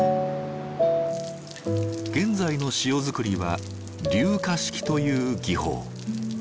現在の塩づくりは流下式という技法。